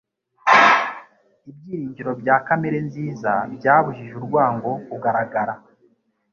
Ibyiringiro bya kamere-nziza byabujije urwango kugaragara